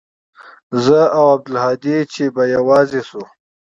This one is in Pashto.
زه او عبدالهادي به چې يوازې سو.